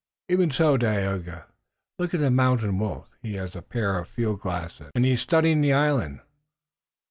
"Even so, Dagaeoga. Look at the Mountain Wolf. He has a pair of field glasses and he is studying the island."